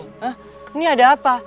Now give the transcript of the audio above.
ini ada apa